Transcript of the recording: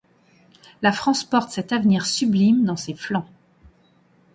La France porte cet avenir sublime dans ses flancs.